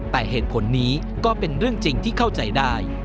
แต่เหตุผลนี้ก็เป็นเรื่องจริงที่เข้าใจได้